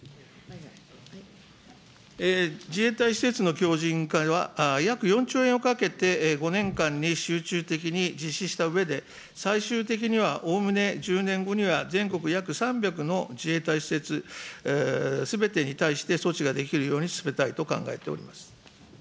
自衛隊施設の強じん化は、約４兆円をかけて５年間に集中的に実施したうえで、最終的にはおおむね１０年後には全国約３００の自衛隊施設すべてに対して措置ができるように進めたいと考えております。